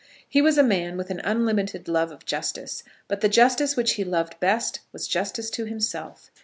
He was a man with an unlimited love of justice; but the justice which he loved best was justice to himself.